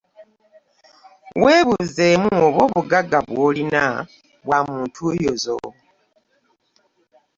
Weebuuzeemu oba obugagga bw'olina bwa mu ntuuyo zo.